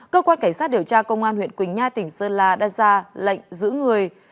cơ quan cảnh sát điều tra công an huyện quỳnh nha tỉnh sơn la đã ra lệnh giữ người